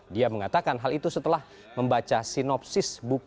dia mengatakan hal itu setelah memperbaiki